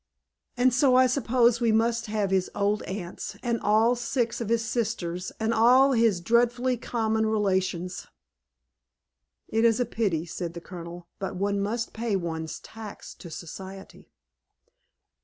"And so I suppose we must have his old aunts, and all six of his sisters, and all his dreadfully common relations." "It is a pity," said the Colonel, "but one must pay one's tax to society."